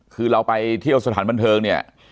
คือเราไปเที่ยวสถานบันเทิงเนี่ย